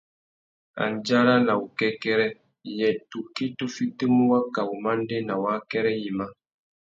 Andjara na wukêkêrê : yê tukí tu fitimú waka wumandēna wa akêrê yïmá ?